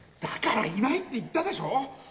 だからいないって言ったでしょ！